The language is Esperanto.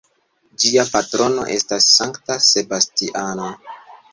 Ĝia patrono estas Sankta Sebastiano.